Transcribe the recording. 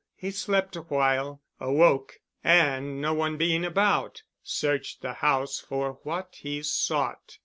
He slept a while, awoke and no one being about, searched the house for what he sought.